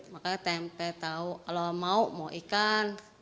makanya tempe tahu kalau mau mau ikan